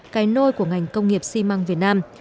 cái nôi của ngành công nghiệp xi măng việt nam